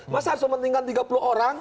masa harus mementingkan tiga puluh orang